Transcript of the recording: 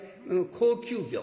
高級魚。